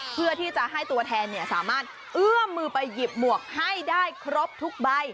เพื่อที่จะให้ตัวแทนสามารถเอื้อมมือไปหยิบหมวกให้ได้ครบทุกใบ